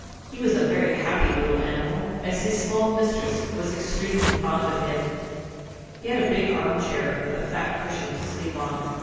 He was a very happy little animal, as his small mistress was extremely fond of him. He had a big armchair with a fat cushion to sleep on.